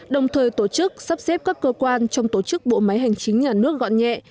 đồng thời tổ chức sắp xếp các cơ quan trong tổ chức bộ máy hành chính nhà nước gọn nhẹ